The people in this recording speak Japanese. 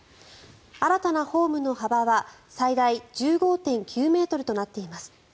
新たなホームの幅は最大１５．９ｍとなっています。